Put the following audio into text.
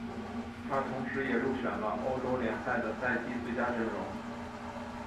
他同时也入选了欧洲联赛的赛季最佳阵容。